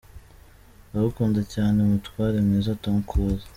Ndagukunda cyane Mutware mwiza Tom Close.